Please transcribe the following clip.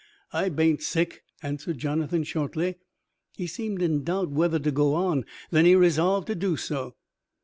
"I ban't sick," answered Jonathan shortly. He seemed in doubt whether to go on. Then he resolved to do so.